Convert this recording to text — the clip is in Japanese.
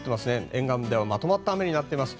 沿岸部ではまとまった雨になっています。